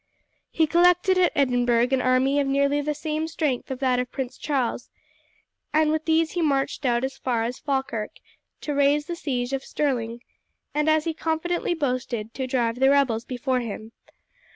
He collected at Edinburgh an army of nearly the same strength as that of Prince Charles, and with these he matched out as far as Falkirk to raise the siege of Stirling, and, as he confidently boasted, to drive the rebels before him.